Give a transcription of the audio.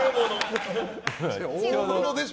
大物でしょ。